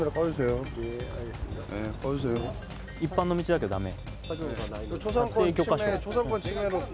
一般の道だけどだめ？